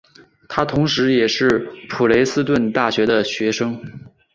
他同时也是普雷斯顿大学的学生。